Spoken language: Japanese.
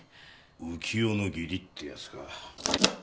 浮世の義理ってヤツか。